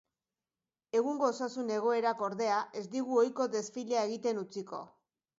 Egungo osasun egoerak, ordea, ez digu ohiko desfilea egiten utziko.